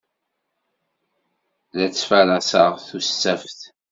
La ttfaṛaseɣ tussaft.